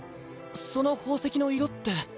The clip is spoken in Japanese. その宝石の色って？